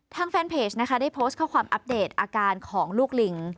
แฟนเพจนะคะได้โพสต์ข้อความอัปเดตอาการของลูกลิง